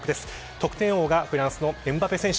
得点王がフランスのエムバペ選手。